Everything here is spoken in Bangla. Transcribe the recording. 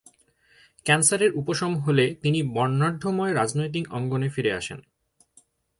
ক্যান্সারের উপশম হলে তিনি বর্ণাঢ্যময় রাজনৈতিক অঙ্গনে ফিরে আসেন।